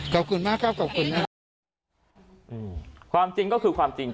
ขอบคุณมากครับขอบคุณมากอืมความจริงก็คือความจริง